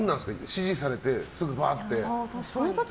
指示されてすぐ、ぶわって。